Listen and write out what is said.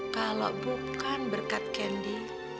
kalau bukan berkat candy